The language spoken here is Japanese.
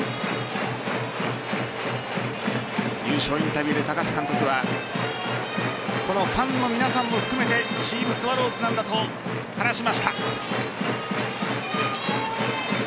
優勝インタビューで高津監督はこのファンの皆さんも含めてチームスワローズなんだと話しました。